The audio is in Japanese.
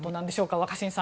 若新さん